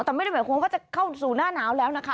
แต่ไม่ได้หมายความว่าจะเข้าสู่หน้าหนาวแล้วนะคะ